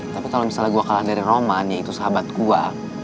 tapi kalau misalnya gue kalah dari roman yaitu sahabat gue